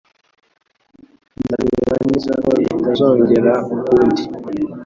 Nzareba neza ko bitazongera ukundi.